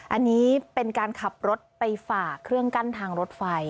อันนี้เป็นการขับรถไปฝากเครื่องกั้นทางรถไฟ